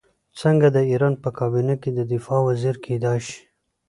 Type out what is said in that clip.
څنګه د ایران په کابینه کې د دفاع وزیر کېدلای شي.